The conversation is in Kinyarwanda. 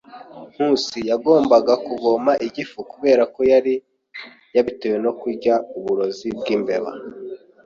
Nkusi yagombaga kuvoma igifu kubera ko yari yabitewe no kurya uburozi bwimbeba.